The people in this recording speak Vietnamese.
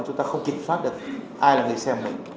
chúng ta không kiểm soát được ai là người xem mình